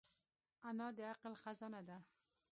انا د عقل خزانه ده